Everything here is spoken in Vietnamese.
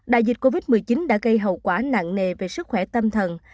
đại dịch covid một mươi chín đã gây hậu quả nặng nề về sức khỏe tâm thần